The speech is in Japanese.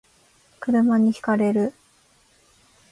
車に轢かれる